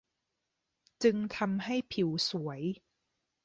จึงทำให้ผิวสวย